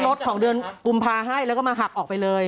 รถของเดือนกุมภาให้แล้วก็มาหักออกไปเลย